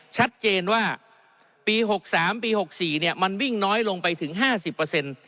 ชัดเจนว่าปี๖๓ปี๖๔เนี่ยมันวิ่งน้อยลงไปถึงห้าสิบเปอร์เซ็นต์